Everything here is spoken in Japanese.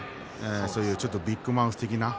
そういうビッグマウス的な。